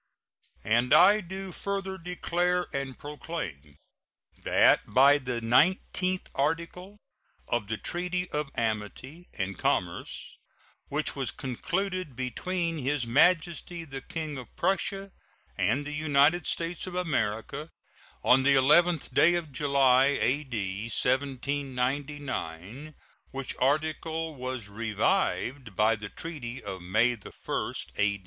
And I do further declare and proclaim that by the nineteenth article of the treaty of amity and commerce which was concluded between His Majesty the King of Prussia and the United States of America on the 11th day of July, A.D. 1799, which article was revived by the treaty of May 1, A.